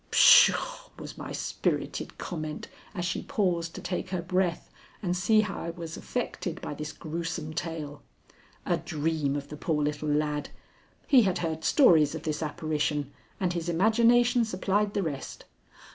"Pshaw!" was my spirited comment as she paused to take her breath and see how I was affected by this grewsome tale. "A dream of the poor little lad! He had heard stories of this apparition and his imagination supplied the rest."